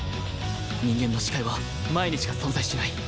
人間の視界は前にしか存在しない